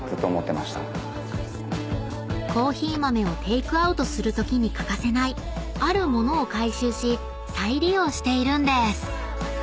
［コーヒー豆をテークアウトするときに欠かせないある物を回収し再利用しているんです］